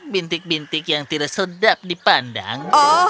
bintik bintik yang tidak sedap dipandang